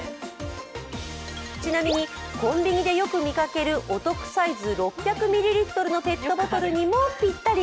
ちなみに、コンビニでよく見かけるお得サイズの６００ミリリットルのペットボトルにもぴったり！